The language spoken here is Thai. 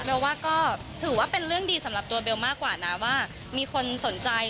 ว่าก็ถือว่าเป็นเรื่องดีสำหรับตัวเบลมากกว่านะว่ามีคนสนใจ